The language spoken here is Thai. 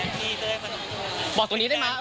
พี่ก็ไม่มีอะไรต้องเคลียร์ครับ